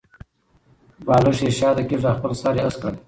بالښت یې شاته کېښود او خپل سر یې هسک کړ.